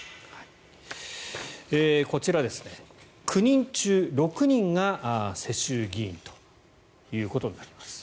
こちら、９人中６人が世襲議員ということになります。